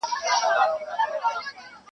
په تور تم کي په تیاروکي لاري ویني !.